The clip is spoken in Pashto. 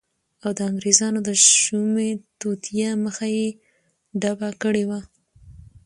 او د انګریزانو د شومی توطیه مخه یی ډبه کړی وه